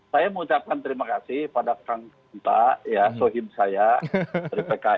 saya mengucapkan terima kasih pada kang unta ya sohim saya dari pks